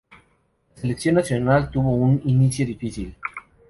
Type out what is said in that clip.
La selección nacional tuvo un inicio difícil.